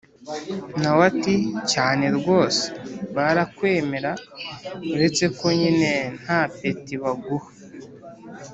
nawe ati: cyane rwose! barakwemera uretse ko nyine nta peti baguha!